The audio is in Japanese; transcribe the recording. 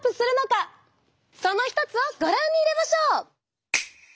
その一つをご覧に入れましょう！